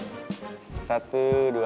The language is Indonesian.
kita lihat dulu ya